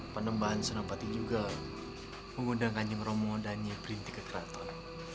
panembahan senopati juga mengundang kanjeng romo dan nyai berintik ke keraton